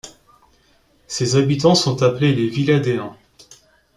Ses habitants sont appelés les Villadéens.